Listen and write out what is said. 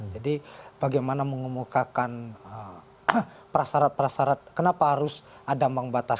jadi bagaimana mengumumkakan perasyarat perasyarat kenapa harus ada ambang batas